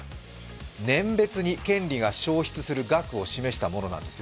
年別に権利が消失する額を示したものなんです。